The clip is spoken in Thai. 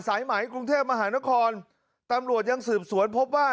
สายไหมกรุงเทพมหานครตำรวจยังสืบสวนพบว่า